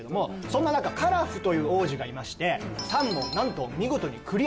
そんな中カラフという王子がいまして３問なんと見事にクリアします。